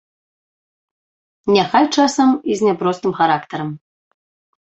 Няхай часам і з няпростым характарам.